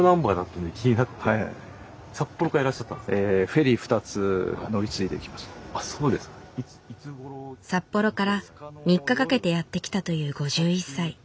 札幌から３日かけてやって来たという５１歳。